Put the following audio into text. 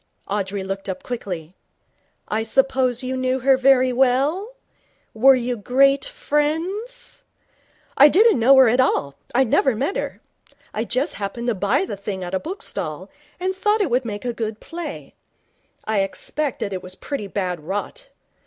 Audrey looked up quickly. 'I suppose you knew her very well? Were you great friends?' 'I didn't know her at all. I'd never met her. I just happened to buy the thing at a bookstall, and thought it would make a good play. I expect it was pretty bad rot.